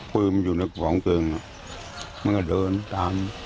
ปืนมันอยู่ในกองเพลิงมันก็เดินตาม